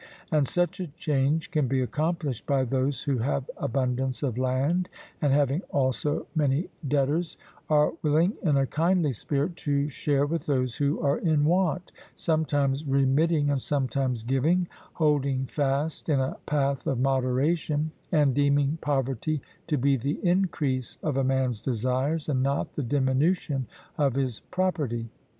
And such a change can be accomplished by those who have abundance of land, and having also many debtors, are willing, in a kindly spirit, to share with those who are in want, sometimes remitting and sometimes giving, holding fast in a path of moderation, and deeming poverty to be the increase of a man's desires and not the diminution of his property.